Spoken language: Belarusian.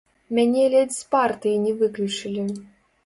Мяне ледзь з партыі не выключылі.